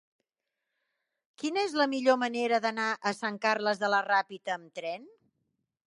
Quina és la millor manera d'anar a Sant Carles de la Ràpita amb tren?